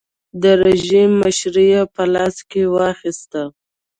د رژیم مشري یې په لاس کې واخیسته.